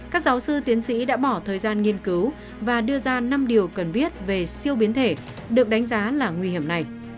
các giáo sư tiến sĩ đã bỏ thời gian nghiên cứu và đưa ra năm điều cần biết về siêu biến thể được đánh giá là nguy hiểm này